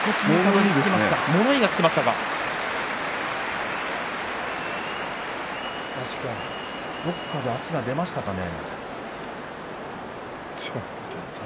どこかで足が出ましたかね。